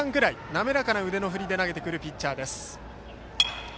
滑らかな腕の振りで投げてくるピッチャー。